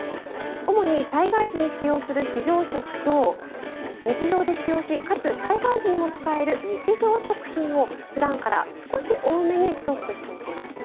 主に災害時に使用する非常食と日常で使用しかつ災害時にも使える日常食品をふだんから少し多めにストックしておきます。